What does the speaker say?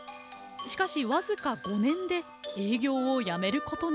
しかし僅か５年で営業をやめることに。